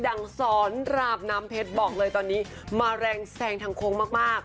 ดังซรราบน้ำเผ็ดบอกเลยตอนนี้มาแรงแสงทางโครงมากมาก